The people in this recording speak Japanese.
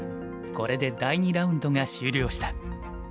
これで第２ラウンドが終了した。